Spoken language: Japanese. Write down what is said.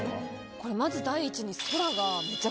これまず第一に。